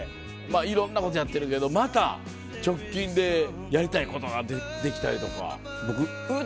いろんなことやってるけどまた直近でやりたいことができたりとか。